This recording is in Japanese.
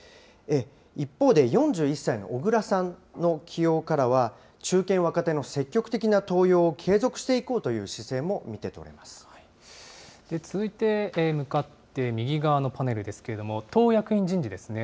一方で４１歳の小倉さんの起用からは、中堅・若手の積極的な登用を継続していこうという姿勢も見続いて向かって右側のパネルですけれども、党役員人事ですね。